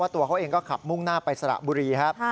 ตัวเขาเองก็ขับมุ่งหน้าไปสระบุรีครับ